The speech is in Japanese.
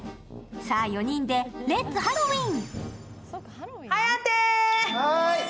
さあ、４人でレッツ・ハロウィーン！